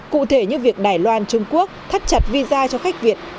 cụ thể như việc đài loan trung quốc thắt chặt visa cho khách việt